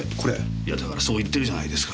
いやだからそう言ってるじゃないですか。